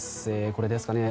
これですかね。